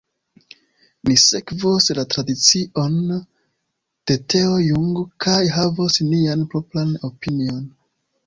Ni sekvos la tradicion de Teo Jung kaj havos nian propran opinion.